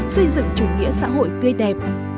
xây dựng chủ nghĩa xã hội tươi đẹp